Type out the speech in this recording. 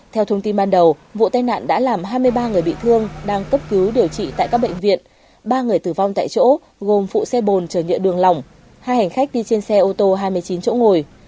theo thông tin ban đầu vụ tai nạn đã làm hai mươi ba người bị thương đang cấp cứu điều trị tại các bệnh viện ba người tử vong tại chỗ gồm phụ xe bồn chở nhựa đường lỏng hai hành khách đi trên xe ô tô hai mươi chín chỗ ngồi